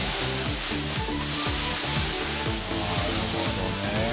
なるほどね。